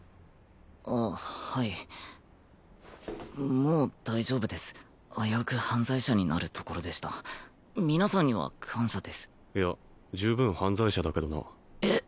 あはいもう大丈夫です危うく犯罪者になるところでした皆さんには感謝ですいや十分犯罪者だけどなえっ？